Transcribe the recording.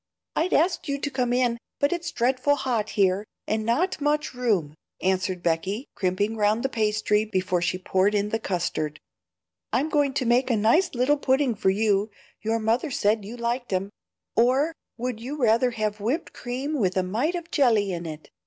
I'd ask you to come in, but it's dreadful hot here, and not much room," answered Becky, crimping round the pastry before she poured in the custard. "I'm going to make a nice little pudding for you; your mother said you liked 'em; or would you rather have whipped cream with a mite of jelly in it?"